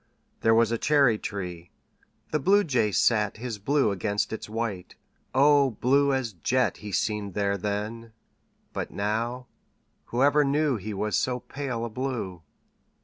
There was a cherry tree. The Bluejay sat His blue against its white O blue as jet He seemed there then! But now Whoever knew He was so pale a blue!